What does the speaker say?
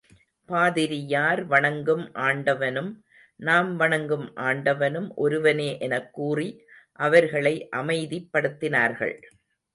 பாதிரியார் வணங்கும் ஆண்டவனும், நாம் வணங்கும் ஆண்டவனும் ஒருவனே எனக் கூறி அவர்களை அமைதிப்படுத்தினார்கள்.